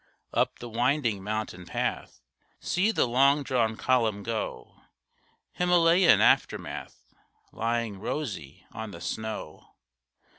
Up the winding mountain path See the long drawn column go; Himalayan aftermath Lying rosy on the snow.